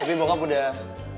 tapi bokap udah